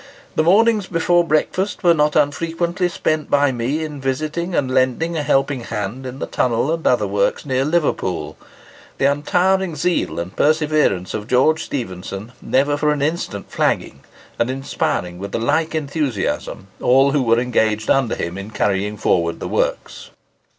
The mornings before breakfast were not unfrequently spent by me in visiting and lending a helping hand in the tunnel and other works near Liverpool,—the untiring zeal and perseverance of George Stephenson never for an instant flagging and inspiring with a like enthusiasm all who were engaged under him in carrying forward the works."